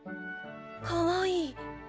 「かわいい」。